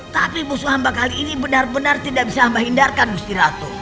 tapi musuh hamba kali ini benar benar tidak bisa hamba hindarkan gusti ratu